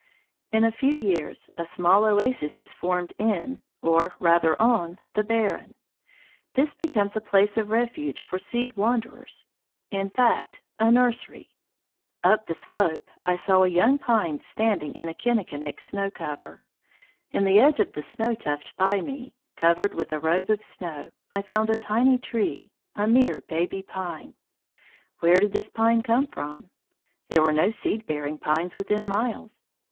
In a few years a small oasis is formed in, or rather on, the barren. This becomes a place of refuge for seed wanderers, in fact, a nursery. Up the slope I saw a young pine standing in a kinnikinick snow cover. In the edge of the snow tuft by me, covered with a robe of snow, I found a tiny tree, a mere baby pine. Where did this pine come from? There were no seed bearing pines within miles.